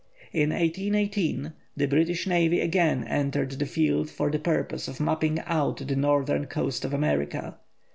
In 1818 the British Navy again entered the field for the purpose of mapping out the northern coasts of America.